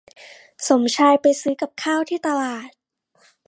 สมชายไปซื้อกับข้าวที่ตลาด